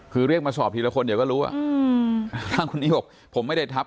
คือเรียกมาสอบทีละคนเดี๋ยวก็รู้ทางคนนี้บอกผมไม่ได้ทับ